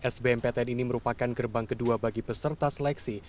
sbmptn ini merupakan gerbang kedua bagi peserta seleksi